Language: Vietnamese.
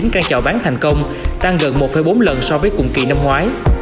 một hai trăm năm mươi chín căn chào bán thành công tăng gần một bốn lần so với cùng kỳ năm ngoái